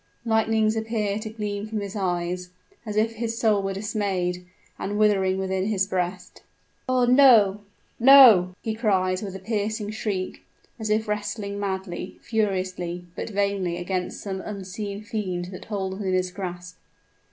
Lightnings appear to gleam from his eyes, as if his soul were dismayed, and withering within his breast. "Oh! no no!" he cries with a piercing shriek, as if wrestling madly, furiously, but vainly against some unseen fiend that holds him in his grasp.